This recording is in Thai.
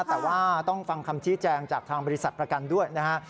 แต่ว่าต้องฟังคำชี้แจงจากทางบริษัทประกันด้วยนะฮะ